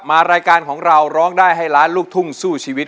มารายการของเราร้องได้ให้ล้านลูกทุ่งสู้ชีวิต